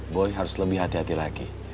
boy harus lebih hati hati lagi